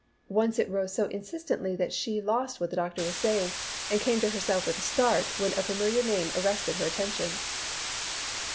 Once it rose so insistently that she lost what the doctor was saying, and came to herself with a start when a familiar name arrested her attention.